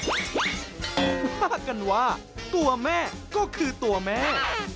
เขาว่ากันว่าตัวแม่ก็คือตัวแม่